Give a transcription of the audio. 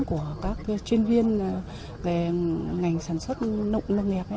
của các chuyên viên về ngành sản xuất nông lâm nghiệp